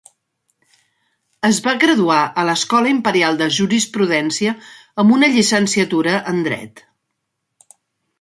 Es va graduar a l'Escola Imperial de Jurisprudència amb una llicenciatura en Dret.